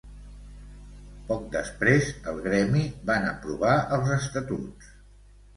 Poc després, el gremi van aprovar els estatuts.